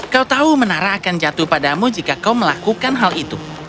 kau tahu menara akan jatuh padamu jika kau melakukan hal itu